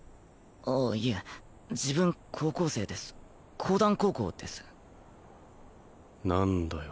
あっいえ自分高校生です講談高校です何だよ